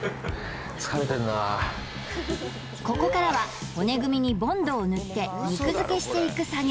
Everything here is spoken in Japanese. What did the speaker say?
ここからは骨組みにボンドを塗って肉付けしていく作業